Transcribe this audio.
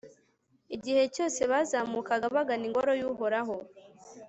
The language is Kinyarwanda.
igihe cyose bazamukaga bagana ingoro y'uhoraho